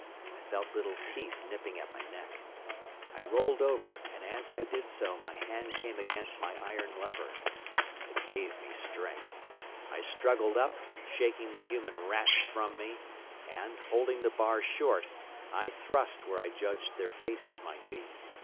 I felt little teeth nipping at my neck. I rolled over, and as I did so my hand came against my iron lever. It gave me strength. I struggled up, shaking the human rats from me, and, holding the bar short, I thrust where I judged their faces might be.